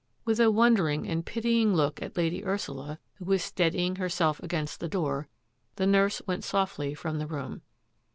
With a wondering and pitying look at Lady Ursula, who was steadying herself against the door, the nurse went softly from the room.